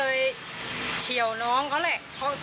เหยียบรถนะคะมันก็เลยเฉียวน้องเขาครับ